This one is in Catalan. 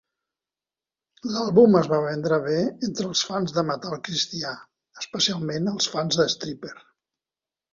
L'àlbum es va vendre bé entre els fans de metal cristià, especialment els fans de Stryper.